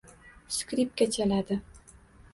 Skripka chaladi.